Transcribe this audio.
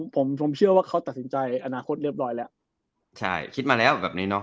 ผมผมเชื่อว่าเขาตัดสินใจอนาคตเรียบร้อยแล้วใช่คิดมาแล้วแบบนี้เนอ